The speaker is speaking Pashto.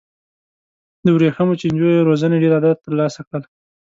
د ورېښمو چینجیو روزنې ډېر عایدات ترلاسه کړل.